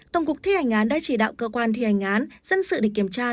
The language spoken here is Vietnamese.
tổng cục thi hành án đã chỉ đạo cơ quan thi hành án dân sự để kiểm tra